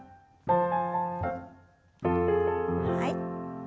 はい。